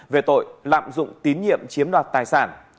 về tội lạm dụng tín nhiệm chiếm đoạt tài sản